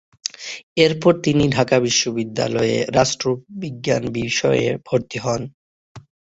এরপর তিনি ঢাকা বিশ্ববিদ্যালয়ে রাষ্ট্রবিজ্ঞান বিষয়ে ভর্তি হন।